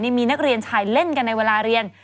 มีนักเรียนชายเล่นกันในเวลาเรียน